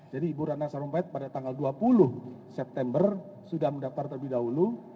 jadi ibu rana sarumpayat pada tanggal dua puluh september sudah mendaftar terlebih dahulu